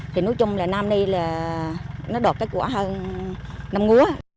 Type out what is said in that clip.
thì nói chung là năm nay là nó đổi cách của năm ngúa